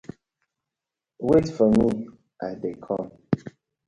Wait for mi I dey kom.